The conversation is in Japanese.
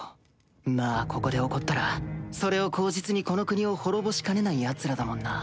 まぁここで怒ったらそれを口実にこの国を滅ぼしかねないヤツらだもんな